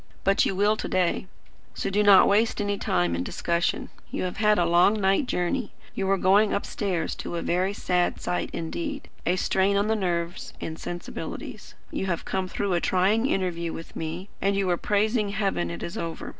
But you will to day; so do not waste any time in discussion. You have had a long night journey; you are going upstairs to a very sad sight indeed, a strain on the nerves and sensibilities. You have come through a trying interview with me, and you are praising Heaven it is over.